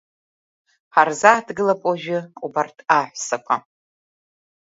Ҳарзааҭгылап уажәы убарҭ аҳәсақәа.